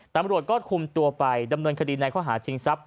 ตำรวจก็คุมตัวไปดำเนินคดีในข้อหาชิงทรัพย